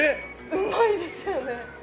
うまいですよね。